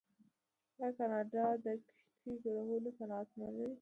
آیا کاناډا د کښتیو جوړولو صنعت نلري؟